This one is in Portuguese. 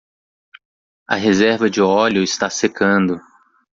A reserva de óleo está secando.